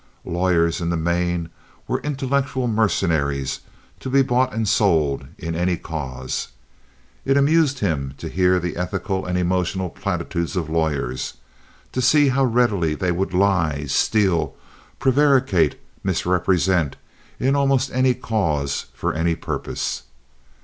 Lawyers in the main were intellectual mercenaries to be bought and sold in any cause. It amused him to hear the ethical and emotional platitudes of lawyers, to see how readily they would lie, steal, prevaricate, misrepresent in almost any cause and for any purpose.